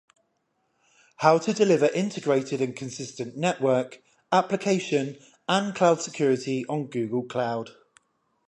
How to Deliver Integrated and Consistent Network, Application, and Cloud Security on Google Cloud